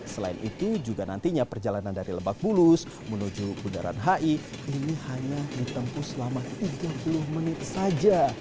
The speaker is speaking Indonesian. selain itu juga nantinya perjalanan dari lebak bulus menuju bundaran hi ini hanya ditempuh selama tiga puluh menit saja